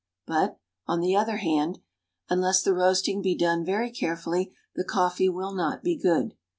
But, on the other hand, unless the roasting be done very carefully, the coffee will not be good.